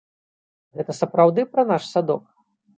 Гэта сапраўды пра наш садок?